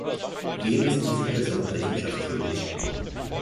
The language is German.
Wem ist diese Person Rechenschaft schuldig?